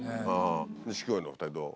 錦鯉のお２人どう？